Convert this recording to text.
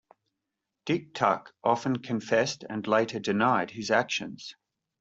Dick Tuck often confessed and later denied his actions.